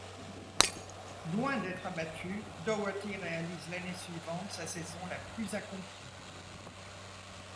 Loin d’être abattu, Daugherty réalise l’année suivante sa saison la plus accomplie.